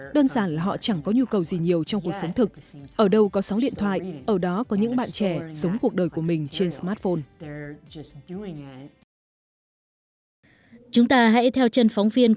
đơn giản là họ chẳng có nhu cầu gì nhiều trong cuộc sống thực ở đâu có sóng điện thoại ở đó có những bạn trẻ sống cuộc đời của mình trên smartphone